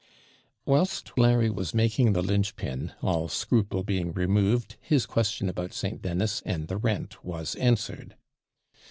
Whilst Larry was making the linch pin, all scruple being removed, his question about St. Dennis and the rent was answered.